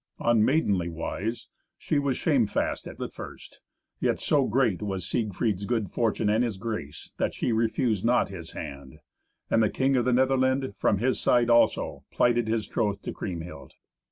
On maidenly wise she was shamefast at the first, yet so great was Siegfried's good fortune and his grace, that she refused not his hand; and the king of the Netherland, from his side also, plighted his troth to Kriemhild.